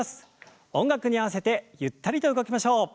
音楽に合わせてゆったりと動きましょう。